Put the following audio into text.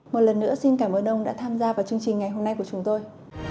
một lần nữa xin cảm ơn ông đã tham gia vào chương trình ngày hôm nay của chúng tôi